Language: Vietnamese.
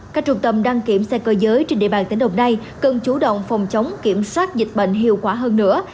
các trung tâm đăng kiểm xe cơ giới trên địa bàn tỉnh đồng nai cần chủ động phòng chống kiểm soát dịch bệnh hiệu quả hơn nữa